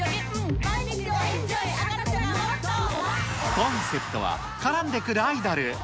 コンセプトは、絡んでくるアイドル。